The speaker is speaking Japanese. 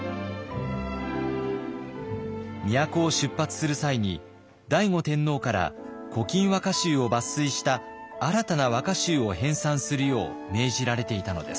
都を出発する際に醍醐天皇から「古今和歌集」を抜粋した新たな和歌集を編さんするよう命じられていたのです。